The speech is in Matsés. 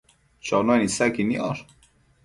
Chonuen isaqui niosh